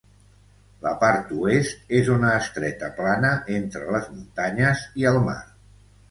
La part oest és una estreta plana entre les muntanyes i el mar.